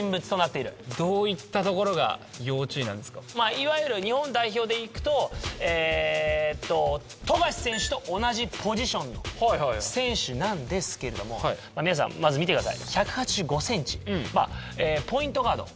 いわゆる日本代表でいくと富樫選手と同じポジションの選手なんですけれども皆さんまず見てください。